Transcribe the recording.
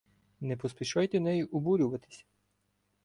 Не поспішайте нею обурюватися